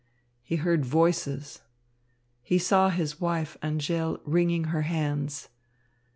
He heard voices. He saw his wife, Angèle, wringing her hands.